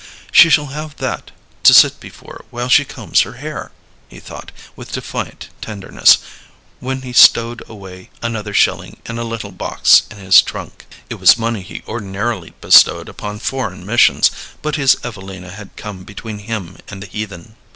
"She shall have that to sit before while she combs her hair," he thought, with defiant tenderness, when he stowed away another shilling in a little box in his trunk. It was money which he ordinarily bestowed upon foreign missions; but his Evelina had come between him and the heathen.